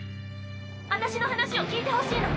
私の話を聞いてほしいの。